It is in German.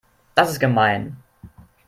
Das ist gemein.